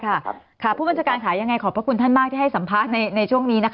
เข้าได้ครับผู้บัญชการขายังไงขอบคุณท่านมากที่ให้สัมภาษณ์ในช่วงนี้